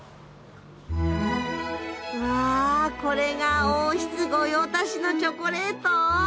うわこれが王室御用達のチョコレート？